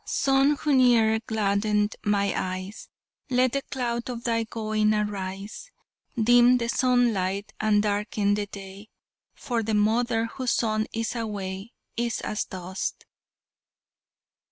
son who ne'er gladdened mine eyes, Let the cloud of thy going arise, Dim the sunlight and darken the day; For the mother whose son is away Is as dust!"